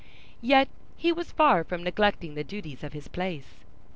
Yet he was far from neglecting the duties of his place.